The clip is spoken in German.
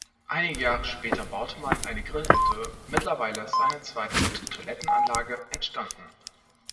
Einige Jahre später baute man eine Grillhütte, mittlerweile ist eine zweite mit Toilettenanlage entstanden.